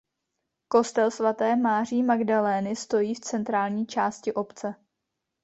Kostel svaté Maří Magdalény stojí v centrální části obce.